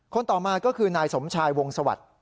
คนต่อมาก็คือนายสมชายวงศวรรษ